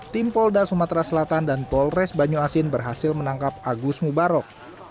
tim polda sumatera selatan dan polres banyuasin berhasil menangkap agus mubarok